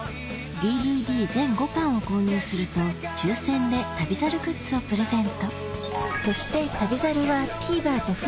ＤＶＤ全５巻を購入すると抽選で『旅猿』グッズをプレゼントそして『旅猿』はここの音やからこのこの音やから。